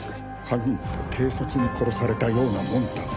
犯人と警察に殺されたようなもんだ。